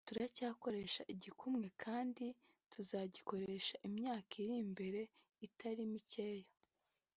turacyakoresha igikumwe kandi tuzagikoresha imyaka iri imbere itari mikeya